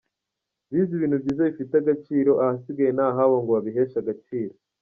Bize ibintu byiza bifite agaciro, ahasigaye ni ahabo ngo babiheshe agaciro.